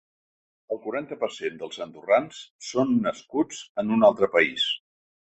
El quaranta per cent dels andorrans són nascuts en un altre país.